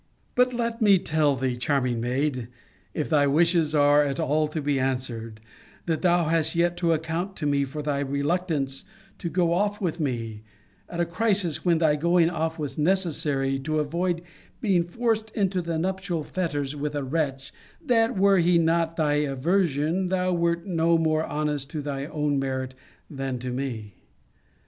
But let me tell thee, charming maid, if thy wishes are at all to be answered, that thou hast yet to account to me for thy reluctance to go off with me, at a crisis when thy going off was necessary to avoid being forced into the nuptial fetters with a wretch, that, were he not thy aversion, thou wert no more honest to thy own merit than to me.